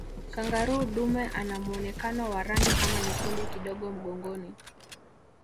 kangaroo dume anamuonekano wa rangi kama nyekundu kidogo mgongoni